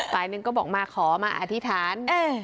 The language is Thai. ฝ่ายหนึ่งก็บอกมาขอมาอธิษฐาน